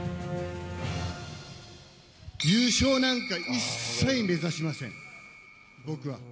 優勝なんか一切目指しません、僕は。